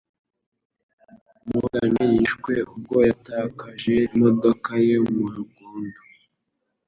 Morgan yishwe ubwo yatakaje imodoka ye mu murongo